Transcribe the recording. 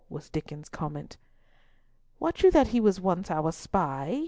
was Diccon's comment. "Wot you that he was once our spy?"